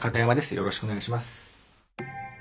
よろしくお願いします。